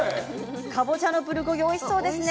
かぼちゃプルコギおいしそうですね